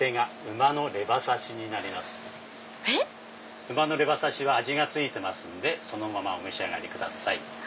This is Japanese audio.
馬のレバ刺しは味が付いてますのでそのままお召し上がりください。